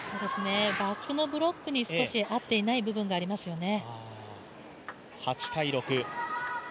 バックのブロックに少し合っていない部分がありますよね。